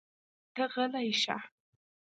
ته غلی شه!